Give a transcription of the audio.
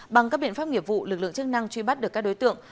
bằng các biện pháp nghiệp vụ lực lượng chức năng truy bắt được các đối tượng